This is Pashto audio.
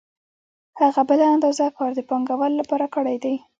هغه بله اندازه کار د پانګوال لپاره کړی دی